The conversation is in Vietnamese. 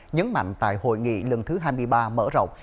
nhấn mạnh tại hội nghị lần thứ hai mươi ba mở rộng